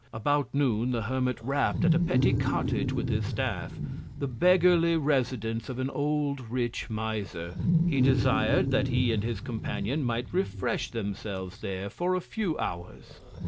About Noon, the Hermit rapp'd at a petty Cottage with his Staff, the beggarly Residence of an old, rich Miser. He desir'd that he and his Companion might refresh themselves there for a few Hours.